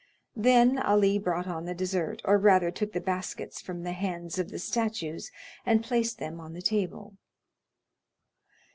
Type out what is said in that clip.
Then Ali brought on the dessert, or rather took the baskets from the hands of the statues and placed them on the table.